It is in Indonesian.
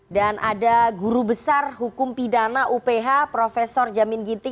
dan ada guru besar hukum pidana uph prof jamin ginting